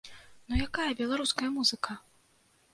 Ну якая беларуская музыка!?